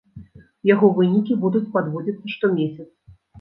Яго вынікі будуць падводзіцца штомесяц.